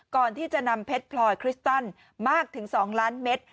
ก่อนที่จะนำเพชรพลอยคริสตันมากถึง๒ล้านเมตร